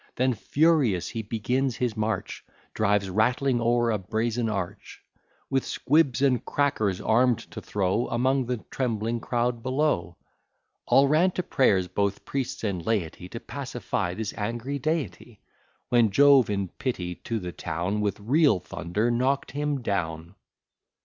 Then furious he begins his march, Drives rattling o'er a brazen arch; With squibs and crackers arm'd to throw Among the trembling crowd below. All ran to prayers, both priests and laity, To pacify this angry deity; When Jove, in pity to the town, With real thunder knock'd him down.